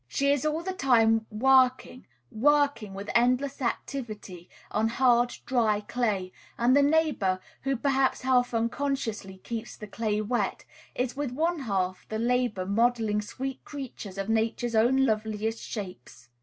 She is all the time working, working, with endless activity, on hard, dry clay; and the neighbor, who, perhaps half unconsciously, keeps the clay wet, is with one half the labor modelling sweet creatures of Nature's own loveliest shapes.